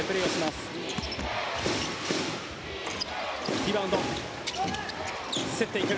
リバウンド、競っていく。